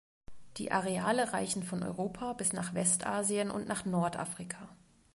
Die Areale reichen von Europa bis nach Westasien und nach Nordafrika.